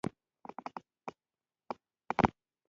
یعني نه بلکې یانې لیکئ!